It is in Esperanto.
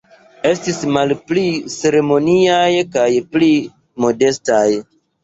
Estis malpli ceremoniaj kaj pli modestaj.